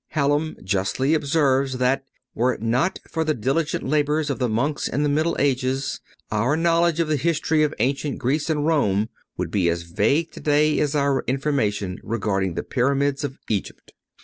Hallam justly observes that, were it not for the diligent labors of the monks in the Middle Ages, our knowledge of the history of ancient Greece and Rome would be as vague today as our information regarding the Pyramids of Egypt.